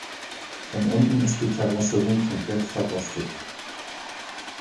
Von unten ist die Karosserie komplett verrostet.